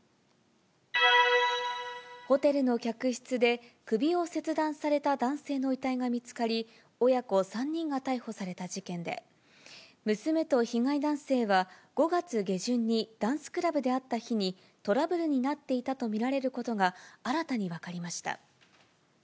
ホテルの客室で首を切断された男性の遺体が見つかり、親子３人が逮捕された事件で、娘と被害男性は、５月下旬にダンスクラブで会った日にトラブルになっていたと見られることが新たに分かりました。